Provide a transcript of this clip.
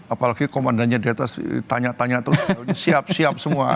apalagi komandannya di atas tanya tanya terus siap siap semua